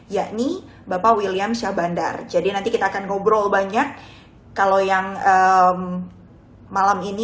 yakni bapak william syah bandar jadi nanti kita akan ngobrol banyak kalau yang malam ini